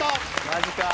マジか。